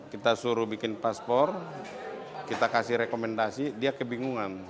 kita suruh bikin paspor kita kasih rekomendasi dia kebingungan